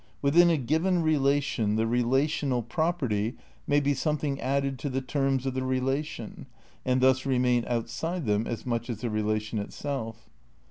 "Within a given relation the relational property may be something added to the terms of the relation and thus remain outside them as much as the relation itself.